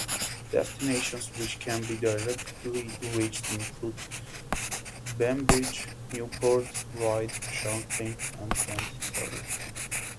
Destinations which can be directly reached include Bembridge, Newport, Ryde, Shanklin and Ventnor.